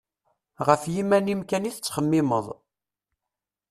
Γef yiman-im kan i tettxemmimeḍ.